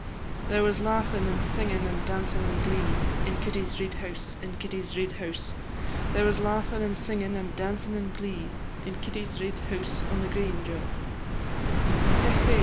There was laughin' and singin', and dancin' and glee, In Kitty's Reid's house, in Kitty Reid's house, There was laughin' and singin', and dancin' and glee, In Kitty Reid's house on the green, Jo! Hech, hey!